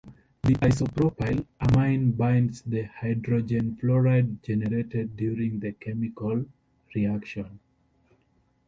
The isopropyl amine binds the hydrogen fluoride generated during the chemical reaction.